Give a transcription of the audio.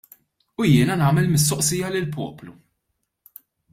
U jiena nagħmel mistoqsija lill-poplu.